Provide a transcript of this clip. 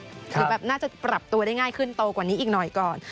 หรือแบบน่าจะปรับตัวได้ง่ายขึ้นโตกว่านี้อีกหน่อยก่อน